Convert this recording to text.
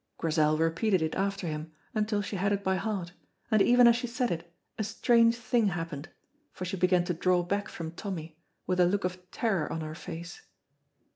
Grizel repeated it after him until she had it by heart, and even as she said it a strange thing happened, for she began to draw back from Tommy, with a look of terror on her face.